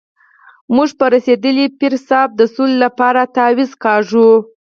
موږ په رسېدلي پیر صاحب د سولې لپاره تعویض کاږو.